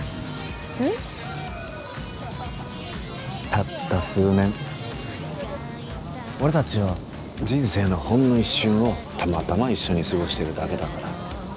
たった数年俺たちは人生のほんの一瞬をたまたま一緒に過ごしてるだけだから。